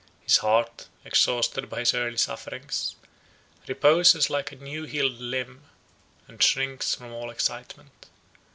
His heart, exhausted by his early sufferings, reposes like a new healed limb, and shrinks from all excitement.